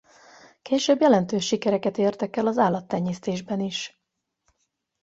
Később jelentős sikereket értek el az állattenyésztésben is.